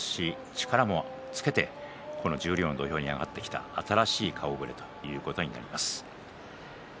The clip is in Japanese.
力もつけてこの十両の土俵に上がってきた新しい顔ぶれということになります。